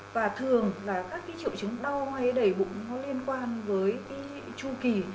và thường là các triệu chứng đau hay đầy bụng liên quan với chu kỳ